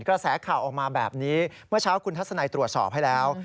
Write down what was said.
กระแสข่าวออกมาแบบนี้เมื่อเช้าคุณทัศนัยตรวจสอบให้แล้ว